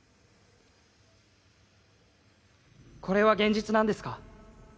これは現実なんですか？